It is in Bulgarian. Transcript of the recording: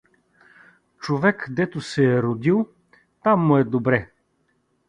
Човек, дето се е родил, там му е добре.